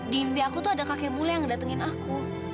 di mimpi aku tuh ada kakek mulia yang datengin aku